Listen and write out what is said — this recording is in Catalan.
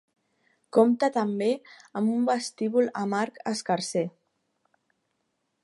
Compta també amb un vestíbul amb arc escarser.